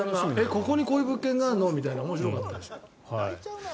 ここにこういう物件があるの？って面白かったです。